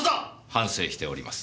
反省しております。